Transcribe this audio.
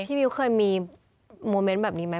มิ้วเคยมีโมเมนต์แบบนี้ไหม